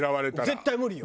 絶対無理よ。